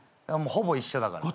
ほぼ一緒だから。